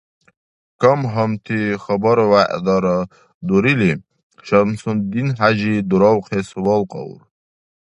Кам-гьамти хабар-вягӀдара дурили, ШамсудинхӀяжи дуравхъес валкьаур.